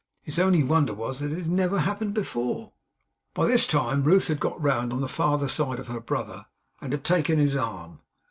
His only wonder was, that it had never happened before. By this time Ruth had got round on the farther side of her brother, and had taken his arm.